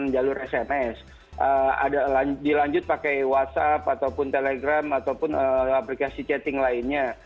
jalur sms dilanjut pakai whatsapp ataupun telegram ataupun aplikasi chatting lainnya